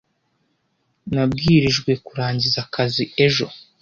Nabwirijwe kurangiza akazi ejo.